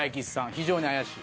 非常に怪しい。